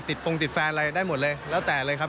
ฟงติดแฟนอะไรได้หมดเลยแล้วแต่เลยครับ